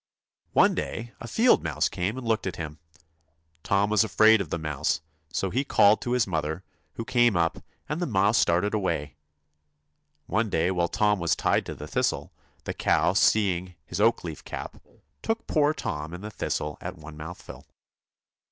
One day a field mouse came and looked at him. Tom was afraid of the mouse, so he called to his mother, who came up, and the mouse darted away. One day whilst Tom was tied to the thistle, the cow seeing his oakleaf cap, took poor Tom and the thistle at one mouthful.